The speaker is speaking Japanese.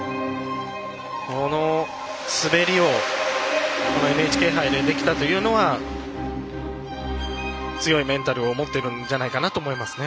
この滑りをＮＨＫ杯でできたというのは強いメンタルを持っているんじゃないかなと思いますね。